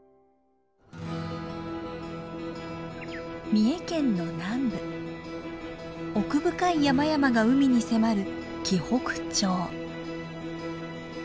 三重県の南部奥深い山々が海に迫る紀北町。